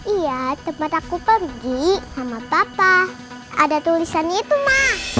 iya tempat aku pergi sama papa ada tulisan itu mak